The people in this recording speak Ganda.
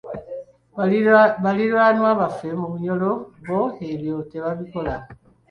Baliraanwa baffe mu Bunyoro bo ebyo tebabikola.